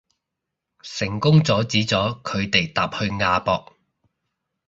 成功阻止咗佢哋搭去亞博